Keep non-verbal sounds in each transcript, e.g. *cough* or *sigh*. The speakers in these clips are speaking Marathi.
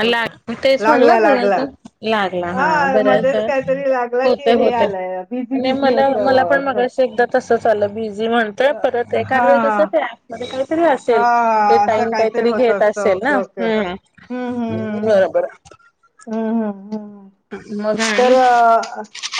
आला तेच लागला म्हणल लागला *unintelligible* लागला हा बऱ्याचदा मध्येच काहीतरी लागला होते की हे होते आलंय बिझी आणि बिझी मला होत मला पण मगशी असं एकदा कसं चालं, बीझी माण तर परत एखाद हा वेळेस तस ते, काहीतरी असेल ते हा असं टाईम काहीतरी होत घेत असत असेल ओके ना. ओके हम्.. हम्म हम्म. हम्म *unintelligible* हम् बर हम्म हम्म हम्म.. मग *unintelligible* तर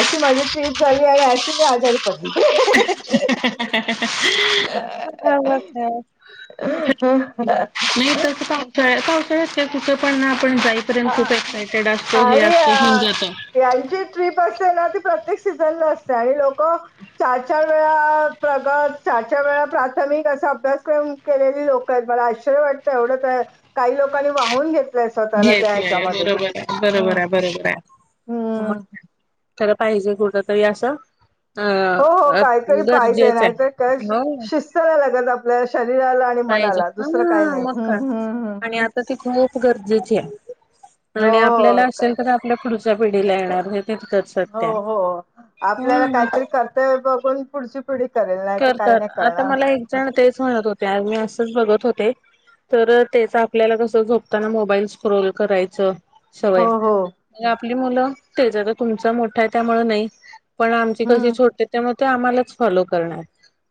अशी माझी ट्रीप झाली, आणि अशी मी आजारी पडली. बरोबर ख *unintelligible* पडली नाही तरच का *unintelligible* पावसाळ्यात कुठं पण आपण जाईपर्यंत खूप एक्सायटेड असतो, हे आणि असतो होऊन अ, जातो. यांची ट्रीप असते ना ती प्रत्येक, सीझनला असते आणि लोकं. चारचार वेळा प्रगत चारचार वेळा, प्राथमिक असं अभ्यासक्रम. केलेली लोकं आहेत. बाळा आश्चर्य वाटतं एवढं तर काही लोकांनी वाहून घेतलंय स्वतःला. त्या ह्याच्यामध्ये बरोबर ये हम्म बरोबर ये बरोबर ये. हो, हम्म खर पाहिजे कुठ तरी असं. हो हो, अ काहीतरी पाहिजे गरजेचं नाही. तर काय आहे हो शिस्त लागत आपल्या शरीराला. पाहिजे मनाला दुसरं काही नाही. हम हम... तर ती खूप गरजेची आहे, हो आणि आपल्याला हो क- असं. तर आपल्या पुढच्या पिढीला येणार नाही तितकंच. हो सत्य आहे. हो, आपल्याला हम्म. काहीतरी कर्तव्य बघून पुढची. पुढे करेल नाही तर काय नाही करणार चालतंय चं म्हणतं होते. मी असंच बघत होते. तर त्याच आपल्याला कसं, झोपताना मोबाईल स्क्रोल करायचं. हो, सवय हो. आपली मुलं तेच तर तुमचा मोठा आहे त्यामुंल नाही. पण आमची कशी हं. छोटेत त्यामुळे, ते आम्हालाच फॉलो करणार.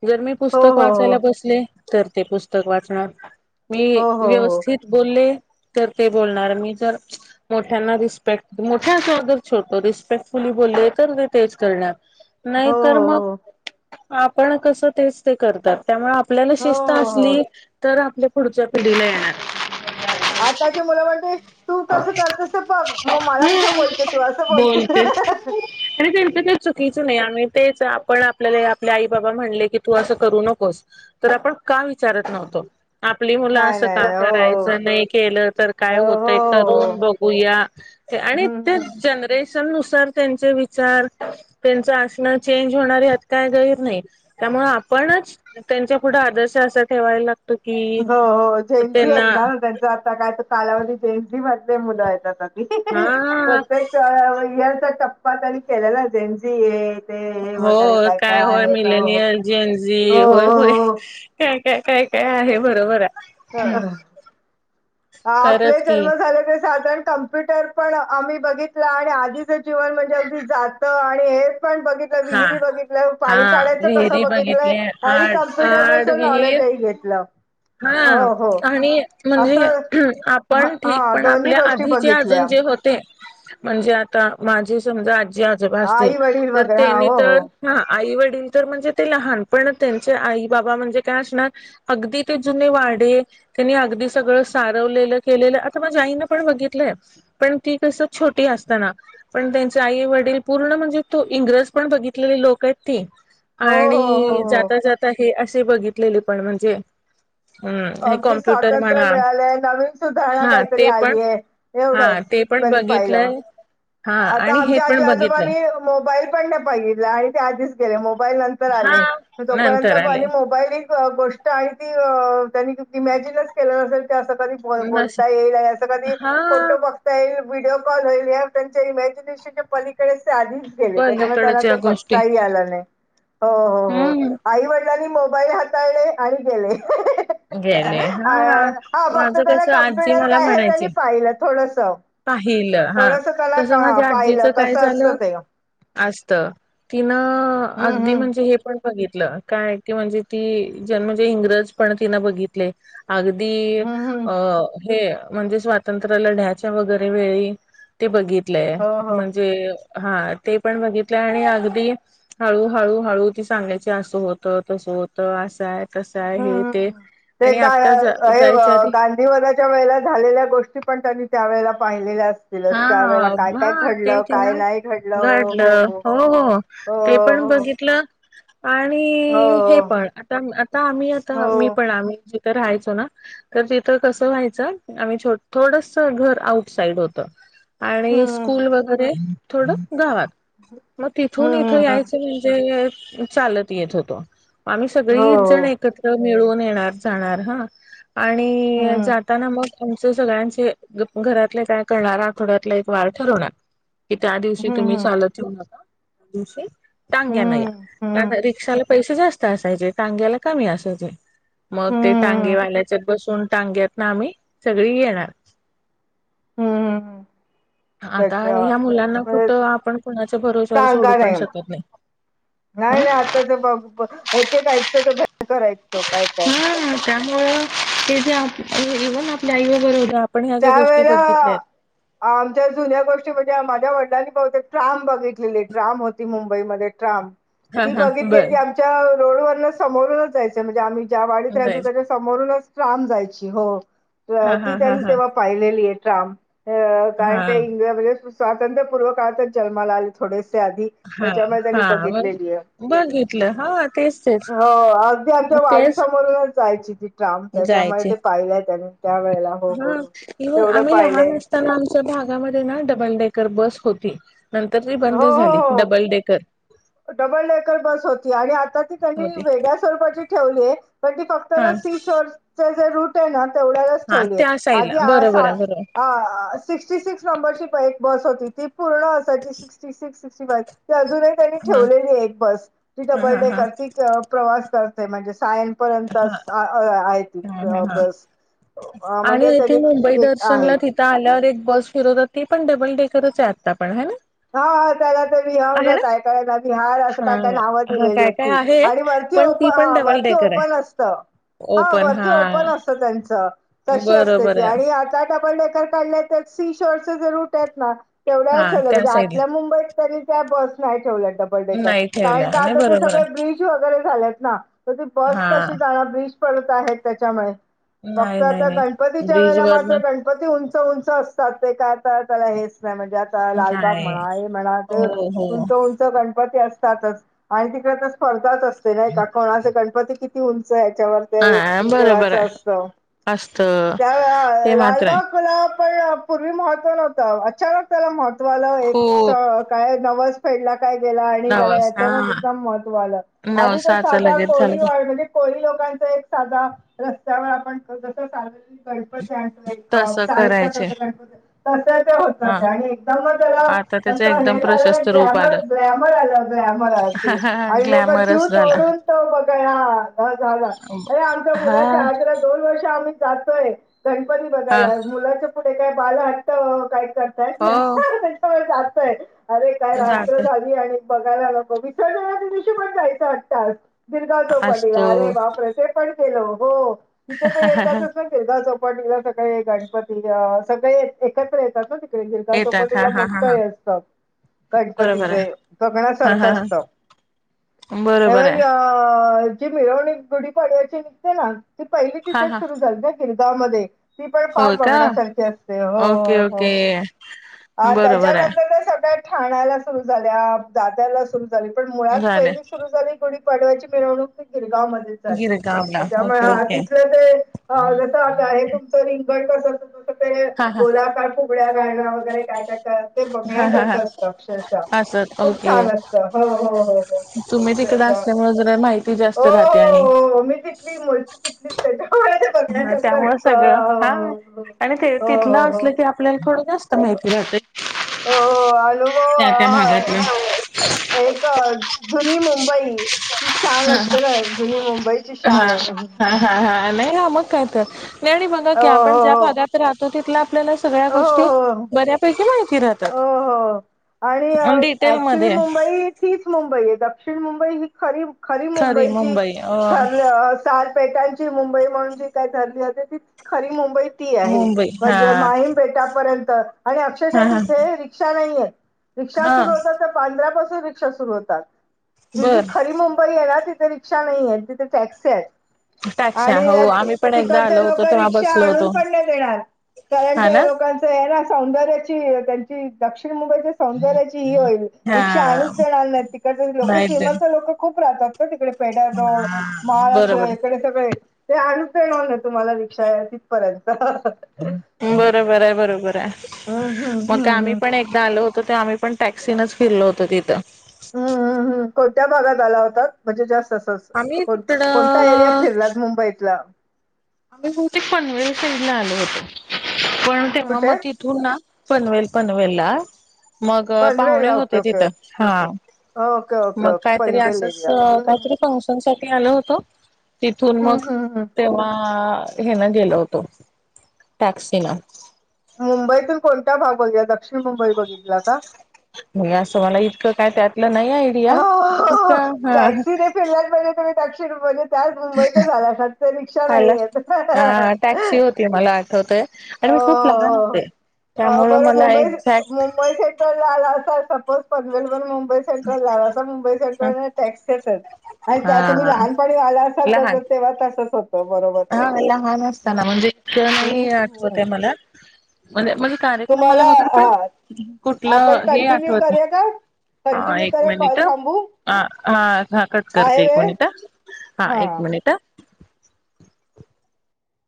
जर मी हो, पुस्तक हो, वाचायला हो. बसले तर, ते पुस्तक वाचणार मी हो, हो, हो. व्यवस्थित. बोले तर ते, बोलणार मी तर. मोठ्यांना रिस्पेक्ट मोठ्या जर, छोटो रिस्पेक्ट फुली बोले तर ते तेच करणार. नाही हो, तर हो, मग, हो. आपण कसं तेच ते करतात. त्यामुळे आपल्याला हो, शिस्तं हो, हो. असली तर, आपल्या पुढच्या पिढीला येणार. आत्ताचं मुलं म्हणती. तू कसं करतेस बग. मग मला कशा बोलते, तू असं बोलतेच. बोलते. आणि त्यांचं काही चुकीचं नाही. आणि तेच आपण आपल्याला आपल्या आई बाबा म्हणले, की तू असं करू नकोस. तर आपण का, विचारत नव्हतो. आपली मुलं नाही, असं नाही, का नाही. हो, हो. करायचं नाही, केलं तर काय हो, होतं. ते हो, करून हो. बघूया, आणि हं, ते हं. जनरेशन नुसार, त्यांचे विचार. त्यांचं आसन चेंज होणार यात काय गैर नाही. त्यामुळे आपणच, त्यांच्या पुढं आदर्श असा ठेवायला ला हो हो झेंझी आहेत ना ना त्यांच आता काय तर कालावधी जेंझी मधले मुलं आहेत आता. हा.. प्रत्येकचा *unintelligible* टप्पा तरी केलेला जेंजी ये हो काय होय हो. मिलेनियल जेन जी हो, होय होय. काय काय काय काय आहे बरोबर आहे. अ आपले खरंच की जन्म झाले ते साधारण का कम्प्युटर पण आम्ही बघितला आणि आधीचं जीवन म्हणजे अगदी जातं आणि हे पण बघित तलं हा विहिरी बघितलं हा पाणी काढायचं कसं विहिरी बघितलंय बघितले आणि आड कम्प्युटनस आड विहीर नॉलेजही घेतलं. हो हा. हो आणि म्हणजे असं हा आपण ठीक हा पण दोन्ही आपल्या गोष्टी आधीचे अजून बघितल्या जे हो ते म्हणजे आता माझी समजा आजी आजोबा असतील आई वडील तर वगैरे हा त्यांनी हो तर हो हा आई वडील तर म्हणजे ते लहान पण त्यांचे आई बाबा म्हणजे काय असणार अगदी ते जुने वाढे त्यांनी अगदी सगळं सारवलेलं केलेलं आता माझ्या आईनं पण बघितलंय. पण ती कस छोटी असताना पण त्यांचे आई वडील पूर्ण म्हणजे तो इंग्रज पण बघितलेले लोक आहेत ती. हो हो हो आणि हो जाता जाता हे असे बघितलेले पण म्हणजे. हम्म हे अगदी कॉम्प्युटर स्वातंत्र म्हणा मिळालंय नवीन सुधारणा हा काहीतरी ते पण आलीय. हा एवढंच ते पण जनी पाहिलं. बघितलंय हा आता आणि हे आमच्या आजी पण बघितलंय आजोबानी मोबाईल पण नाही पाहिला आणि त्या आधीच गेले मोबाईल नंतर हा आले. तोपर्यंत नंतर आले पर्यत मोबाईल ईक *unintelligible* क गोष्ट आहे अ ती त्यांनी इमॅजनच केले असेल ते असं कधी होय नस बोलता येईल असं कधी हा फोटो बघता येईल व्हिडिओ कॉल होईल या त्यांच्या इमॅजिनेशनच्या पलीकडे ते आली. गेले त्याच्यामुळ त्याला पलीकडच्या गोष्टी बगता ही आल नाही हो हम्म आई वडील *unintelligible* नी मोबाईल हाताळले आणि गेले. गेले हा फक्त माझं त्याला कसं आजी कमप्युटर मला काय आहे म्हणायची त्यांनी पाहिलं थोडस. पाहिलं हा थोडस त्याला का तसं माझे आजीच पाहिलं काय कसं असतं झालं ते असत तिनं हम्म अगदी हम्म म्हणजे हे पण बघितलं काय की म्हणजे ती ज म्हणजे इंग्रज पण तिन बघितले अगदी हम्म हम्म अ हे म्हणजे स्वातंत्र्यालाढ्याच्या वगैरे वेळी ते बघितलंय हो हो म्हणजे हा ते पण बघितलंय आणि अगदी हळू हळू हळू ती सांगायची असं होतं तसं होतं असंय कसं आहे हम्म ते हम्म. आणि आता जा जायच्या आधी विवादाच्या वेळेला झालेल्या गोष्टी पण त्यांनी त्यावेेळेला पाहिलेल्या अस हा ह तेच ना नाही घडलं हो घडलं हो हो ते पण हो बघितलं. हो आणि हे पण आता आता आम्ही हो हो हो आता मी हो पण आम्ही जिथं राहायचो ना तर तिथं कसं व्हायचं आम्ही थोडस घर आउट साईड होतं. आणि स्कूल वगैरे थोडं गावात. मग हम्म तिथून हम्म इथं हम्म यायचं म्हणजे चालत येत होतो आम्ही हम्म हो सगळीच जण हो एकत्र मिळून येणार जाणार ह. आणि हम्म जाताना मग आमचे सगळ्यांचे घरातले काय करणार आववड्यातला एक वार ठरवणार की त्या दिवशी तुम्ही हम्म चालत येऊ नका त्या दिवशी टांग्यान या हम्म हम्म हम्म कारण रिक्षाला पैसे जास्त असायचे टांग्याला कमी असायचे. मग ते हम्म हम्म टांगेवाल्याच्यात बसून टांग्यात न आम्ही सगळी येणार. हम्म हम् हम्. आता ह्या मुलांना म्हणजे कुठं आपण कुणाच्या भरोवशावर सोडू पण शकत नाही. नाही ह नाही आता ते बघ एक ऐकतं ते भयंकर ऐक हा त्यामुळं ते जे जेवण आपल्या आई बरोबर *unintelligible* आपण ह्या ज्या गोष्टी त्यावेळेला बघितल्या आहेत आमच्या जुन्या गोष्टी म्हणजे माझ्या वडिलांनी बहुतेक ट्राम बघितलेले ट्राम होती मुंबईमध्ये ट्राम. हा ती हा बघितली बर ती आमच्या रोडवरन समोरूनच जायच म्हणजे आम्ही ज्या वाडीत राहायचो जाईल त्याच्या समोरूनच राम जायची हो हा ती हा त्यां हा हा *unintelligible* हा स्वातंत्र्यपूर्व काळातच जन्माला आले थोडेसे आधी हा त्याच्यामुळे त्यांनी हा बघितलेली आहे. बघितलं हा तेच तेच हो अगदी आमच्या वाडी तेच समोरूनच जायची ति. जाम त्याच्यामुळे जायचे ते पाहिलंय त्यांनी त्यावेेळेला. हा इव्हन आम्ही लहान असताना आमच्या भागा मध्ये ना डबल डेकर बस होती. नंतर ती हो बंद हो झाली हो double decker. Double decker bus होती आणि आता ती त्यांनी होती वेगळ्याच *unintelligible* हा तेवढ्यालाच हा ठेवलीय त्या साईडला आधी बरोबर आहे बरोबर सिक्स्टी सिक्स नंबरची एक बस होती, ती पूर्ण असायची. सिक्स्टी सिक्स सिक्स्टी फाय ती अजूनही त्यांनी हा ठेवलेली हाय एक बस, ती हा डबल हा डे हा करतीक प्रवास करते. माझे सायन पर्यंत हा आहे हा हा त हा बस. *unintelligible* अ, आणि म्हणजे येथे त्यांनी ती मुंबई एक दर्शनला आहे तिथ ता आल्यावर एक बास फिरत होती पण डबल डेकरच आहे आता पण हा ना. हा त्याला तर विहंग आहे ना काय काय ना विहार असं हा काय काय नावं हा दिलेली काय आहेत काय ती आहे आणि ती पण ओप पण हा डबल वरती डेकर आहे ओपन असत. हा वरती ओपन असत त्यांचं तशी असते बरोबर ती आहे आणि आता डबल डेकर काढल्या सीशरूट आहेत ना तेवढ्या हा त्या म्हणजे. *unintelligible* साईडला मुंबईत तरी त्या बस नाही ठेवल्या तर नाही कारण ठेवल्या का आणि आता ते बरोबर सगळे आहे ब्रिज वगैरे झालेत ना तर ती बस हा कशी जा ब्रिज डत आहेत त्याच्यामुळे फक्त नाही नाही आता नाही गणपतीच्या ब्रिज वर वेळामध्ये न मात्र मग ते उंच उंच असतात ते काय आता त्याला हेच नाही. म्हणजे आता लाल बाप नाही म्हणा हे म्हण ते हो हो उंच उंच गणपती असतात. आणि तिकडे तर स्पर्धाच असते नाही का कोणाचे गणपती किती उंच याच्यावर. ते हा बरोबर देवाचं आहे असतं, असत त्यावेळा ते मात्र आहे लालबाग. पण पूर्वी महत्व नव्हतं अचानक त्याला महत्त्व आल एक खूप काय नवस फेडला? काय झाला आणि त्याला नवसा अचानक महत्व आला अधिकच नवसाचा साधा लगेच झालं कोळी की वाडा. *unintelligible* कोरी लोकांचा एक साधा रस्त्यावर आपण जस साज गणपती आणतो एक तस चाळीच करायचे कस गणपत तस ते होत हा ते आणि. *unintelligible* मला आता अस त्याच झा एकदम प्रशस्त रूप आलं ग्लॅमर ग्लॅमर आ ग्लॅमर आहे. *unintelligible* आणि लोक जीव ग्लॅमरस झाला तोडून तो बघा हा झाला अे आमच्या हा मुलाच्या आजर. *unintelligible* दोन वर्ष आम्ही जातोय गणपती हा बघायला, मुलाच्या पुढे काय बाल हट्ट काय कर काहीच हो नाही त्याच्यामुळे जास्त आहे, अरे काय रात्र जात झाली आणि बघायला नको विसर्जनाच्या दिवशी पण जायचं आठतास गिरगा असतो चोपटला अरे बापरे प्रतेक पण केलं हो. तिथं ते एका दिवसात गिरगा चौपाटीला सगळे गणपती सगळे एकत्र येतात ना तिकडे गिरगा चौप येतात हा हा हा मोठ हा हि असतं बरोबर गणपतीच आहे हा हा गगनासारखं असत. बरोबर आहे. अ जी मिरवणी गुढीपाड्याची निघते ना ती पहिली हा तिथेच हा सुरु झाते. *unintelligible* किरगाव मध्ये ती पण फार होय का बघण्यासारखी असते हो ओके हो. ओके अ बरोबर आहे त्याच्यानंतर त्या सगळ्या ठाण्याला सुरु झाल्या, दादर झाल्या सुरु झालीपण मुळात झालं पहिली सुरु झाली गुढीपाडव्याची मिरवणूक गिरगाव मध्ये. गिरगावला त्याच्यामुळे ओके ह ओके तिथ अ जसं आता हे तुमचं रिंगण कस असतं तसं ते हा हा गोलाकार फुगड्या घाला‌ वगैरे. काय काय ते हा हा हा बघण्यासारखं असतं अक्षरशः असं खूप ओके छान असतं हो हो हो हो. तुम्ही तिकड ते- असल्यामुळे जरा माहिती हो जास्त राहते आणि. हो हो. मी मूळची तिथलीच आहे. त्यामुळे ह करण्यासारख त्यामुळे असत सगळं हा हो आणि ते तिथलं हो हो. असलं की आपल्याला थोडं जास्त माहिती राहतंय. हो अनुभव हाआआ. भागातलं एक जुनी मुंबई ची शान असते ना, जुनी मुंबईची हा शान आहे. हा हा हा नाही हा मग काय तर. नाही आणि बघा की हो आपण हो ज्या भागात राहतो तिथं आपल्याला सगळ्या हो गोष्टी हो हो. बऱ्यापैकी माहिती राहतात. अ हो आणि अण डिटेल ऍक्च्युली मध्ये. मुंबई तीच मुंबई आहे. दक्षिण मुंबई ही खरी खरी मुंबई जी *unintelligible* चारपेटांची मुंबई म्हणून जी काय रली ती खरी मुंबई. ती आहे मुंबई हा म्हणजे माहीम फेटापर्यंत आणि अक्षरशः हा हा तिथे रिक्षा नाहीये. रिक्षा हा सुरू होतात बांद्रापासून रिक्षा सुरू होतात. जी जी बर खरी मुंबई आहे ना तिथे रिक्षा नाहीयेत, तिथे टॅक्स्या आहे. द्राक्षा आणि हो आम्ही पण एकदा आलो तिकडचे होतो लोकं तेव्हा रिक्षा बसलो आणून होतो पण नाही देणार, कारण हा ना लोकांच आहे ना सौंदर्याची त्यांची दक्षिण मुगईच्या सौंदर्याची ये होईल. हा रिक्षा आणूच देणार नाहीत तिकड लोक माहित श्रीमंत लोक खूप राहतात. तिकडे पेडर रोड महाक्ष बरोबर इकडे. सगळे ते अनुप देणार नाही तुम्हाला रिक्षा या तिथपर्यंत ह ह. बरोबर आहे बरोबर आहे, हम्म मग काय आम्ही हम्म पण एक एकदा आलो होतो तेव्हा आम्ही पण टॅक्सीनचं फिरलो होतो तिथं. हम्म हम्म हम्म कोणत्या भागात आला होतात? म्हणजे जस्ट असं तसं आम्ही तिकडं कोण-कोणता एरिया फिरलात मुंबईतला? आम्ही बहुतेक पनवेल सईडला आलो होतो पण तेव्हा मग कुठे ति तुन ना पनवेल पनवेल ला मग पाहुणे पनवेलला ओके होते तिथं ओके हा. ओके ओके मग ओके काहीतरी पनवेल असंच एरिया हम्म काहीतरी फंक्श *unintelligible* साठी आलो होतो. तिथून मग हम्म हम्म हम्म. तेव्हा अ हे ना गेल होतो टॅक्सी न. मुंबईतून कोणता भाग बघितला, दक्षिण मुंबई बघितला का? नाही असं मला इतकं काय त्यातलं नाही आयडिया. आलीस का हा सगळ्यात भारी तुम्ही दक्षिण बोललेत. त्याच मुंबईतच आला‌ फक्त रिक्षा आला नाहीयेत. अ टॅक्सी होती मला आठवतय आणि हो मी खूप हो लहान हो. होते. त्यामुळं मला एक्झॅक्ट *unintelligible* झाला असा सपोज पनवेलवरून मुंबई सेंट्रलला आलासा मुंबई सेंट्रलला टॅक्स्याच आहेत. आणि त्या तुम्ही हा लहानपणी आला असाल लहान तर तेव्हा तसंच होत. हा लहान असताना म्हणजे इतकं नाही हम्म आठवत आहे हम्म. मला. म्हणजे म्हणजे कार्यक्रमाला तुम्हाला वगैरे पण, हा आपण कुठलं हे कंटिन्यू आठवत नाही. करूया का हा कंटिन्यू एक करूया कॉल मिनिट. थांबू हा हा हा कट आहे करते एक वेळ मिनिट हा. हा एक मिनिट हा.